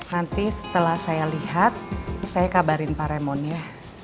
nanti setelah saya lihat saya kabarin pak remon ya